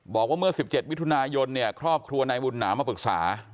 บอกว่าเมื่อ๑๗วิทยุนายนครอบครัวในบุญหนามาปรึกษา